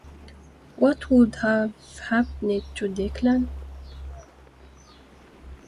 What would've happened to Declan?